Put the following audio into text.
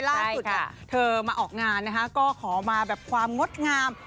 ล่าสุดเธอมาออกงานนะคะก็ขอมาแบบความงดงาม